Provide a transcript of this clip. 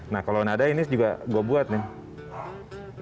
nah kalau nada ini juga gue buat nih